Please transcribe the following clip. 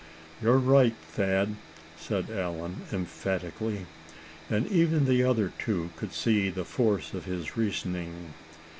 "You're right, Thad," said Allan, emphatically. And even the other two could see the force of his reasoning.